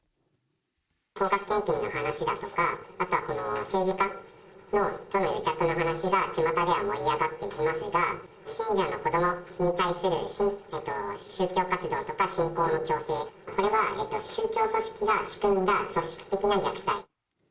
高額献金の話だとか、あとは政治家との癒着の話がちまたでは盛り上がっていますが、信者の子どもに対する宗教活動とか信仰の強制、これは、宗教組織が仕組んだ組織的な虐待。